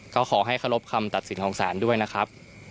ก็ขอให้เคารพคำตัดสินของศาลด้วยนะครับ